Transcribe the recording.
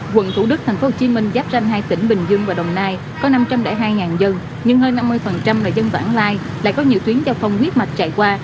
quận thủ đức tp hcm giáp ranh hai tỉnh bình dương và đồng nai có năm trăm linh hai dân nhưng hơn năm mươi là dân bản lai lại có nhiều tuyến giao thông huyết mạch chạy qua